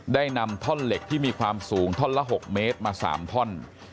ได้นำท่อนเหล็กที่มีความสูงท่อนละ๖เมตรมา๓ท่อน